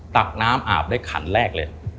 ตักน้ำอาบได้ขันแรกเลย